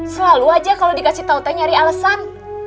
selalu aja kalau dikasih tahu teh nyari alesan